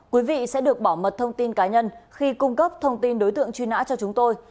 quý vị sẽ được bảo mật thông tin cá nhân khi cung cấp thông tin đối tượng truy nã cho chúng tôi